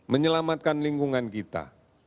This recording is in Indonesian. menyelamatkan lingkungan kita